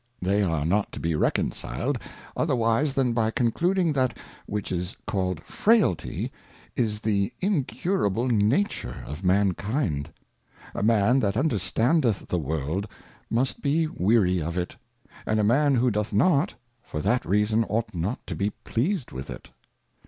They are not to be reconciled, otherwise than by concluding that which is called Frailty is the incurable Nature of Mankind. A Man that understandeth the World must be weary of it ; and a Man who doth not, for that Reason ought not to be pleased with it.